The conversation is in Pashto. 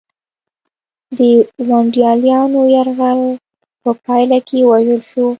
د ونډالیانو یرغل په پایله کې ووژل شو